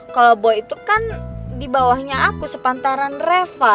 kalau boy itu kan dibawahnya aku sepantaran reva